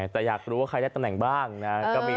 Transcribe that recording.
แต่อยากรู้ว่าใครได้ตำแหน่งบ้างนะ